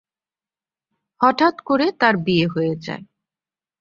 হঠাৎ করে তার বিয়ে হয়ে যায়।